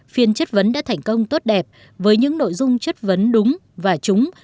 phiên chất vấn đã thành công tốt đẹp với những nội dung chất vấn đúng và trúng